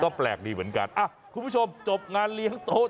ก็แปลกดีเหมือนกันคุณผู้ชมจบงานเลี้ยงโต๊ะ